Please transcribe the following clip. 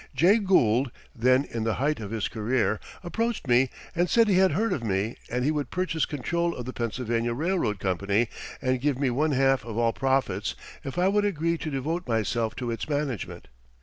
Jay Gould, then in the height of his career, approached me and said he had heard of me and he would purchase control of the Pennsylvania Railroad Company and give me one half of all profits if I would agree to devote myself to its management.